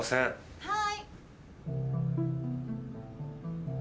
はい。